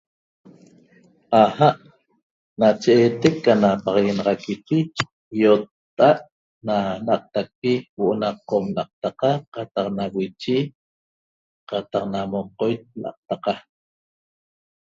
'AJa' nache eetec ana paxaguenaxaquipi ýotta'a't na n'aqtacpi huo'o na Qom l'aqtaqa qataq na Wichi qataq na Moqoit l'aqtaqa